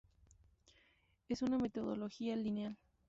Es una metodología lineal.